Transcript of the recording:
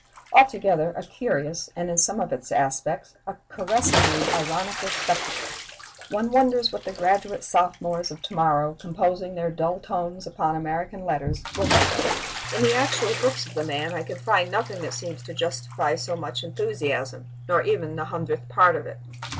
Altogether, a curious, and, in some of its aspects, a caressingly ironical spectacle. One wonders what the graduate sophomores of to morrow, composing their dull tomes upon American letters, will make of it.... In the actual books of the man I can find nothing that seems to justify so much enthusiasm, nor even the hundredth part of it.